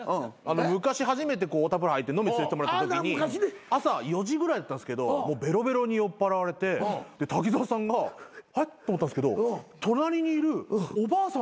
昔初めて太田プロ入って飲み連れてってもらったときに朝４時ぐらいだったんですけどもうベロベロに酔っぱらわれてで滝沢さんがえっ？と思ったんですけど隣にいるおばあさんを持ち帰ろうとしてるときあって。